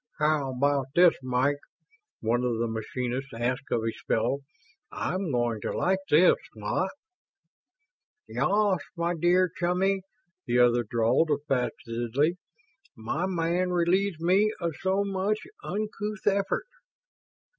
"How about this, Mike?" one of the machinists asked of his fellow. "I'm going to like this, what?" "Ya as, my deah Chumley," the other drawled, affectedly. "My man relieves me of so much uncouth effort."